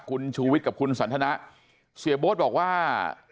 คุณชูวิทย์กับคุณสันทนะเสียโบ๊ทบอกว่า